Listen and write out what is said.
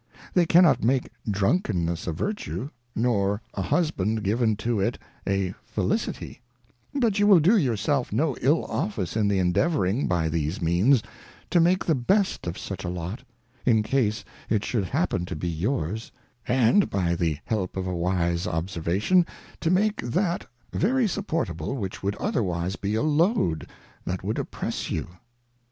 They cannot make Drunkenness a Vertue, nor a Husband given to it a Felicity ; but you will do your self no ill office in the endeavouring, by these means, to make the best of such a Lot, in case it should happen to be yours, and by the help of a wise Obsei vation, to make that very supportable, which would otherwise be a Load that would oppress you.